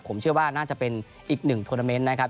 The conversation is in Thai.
ผมเชื่อว่าน่าจะเป็นอีกหนึ่งทวนาเมนต์นะครับ